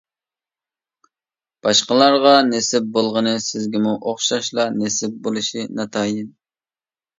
باشقىلارغا نېسىپ بولغىنى سىزگىمۇ ئوخشاشلا نېسىپ بولۇشى ناتايىن.